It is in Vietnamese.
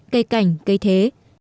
cây cảnh cây thế